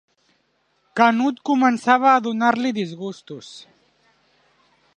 Canut començava a donar-li disgustos.